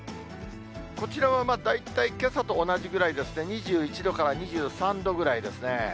こちらは大体けさと同じぐらいですね、２１度から２３度ぐらいですね。